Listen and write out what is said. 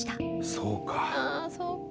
そうか。